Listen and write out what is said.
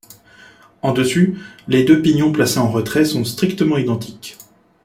En dessus, les deux pignons placés en retrait sont strictement identiques.